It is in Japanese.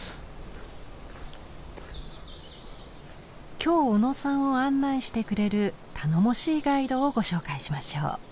今日小野さんを案内してくれる頼もしいガイドをご紹介しましょう。